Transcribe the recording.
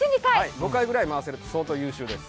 ５回くらい回せると、相当優秀です。